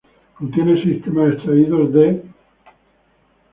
Contiene seis temas extraídos de "Mr.